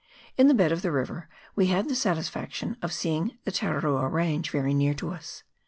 In the bed of the river we had the satisfaction of seeing the Tararua range very near to us.